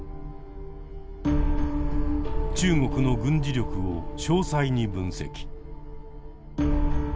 中国の軍事力を詳細に分析。